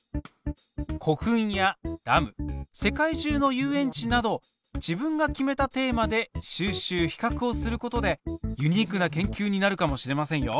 古墳やダム世界じゅうの遊園地など自分が決めたテーマで収集比較をすることでユニークな研究になるかもしれませんよ。